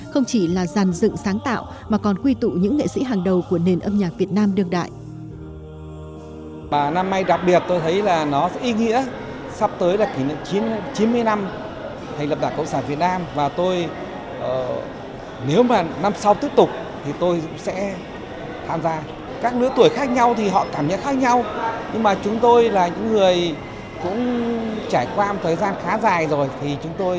không chỉ là dàn dựng sáng tạo mà còn quy tụ những nghệ sĩ hàng đầu của nền âm nhạc việt nam đương đại